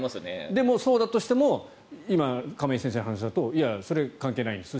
でも、そうだとしても今、亀井先生の話だとそれは関係ないです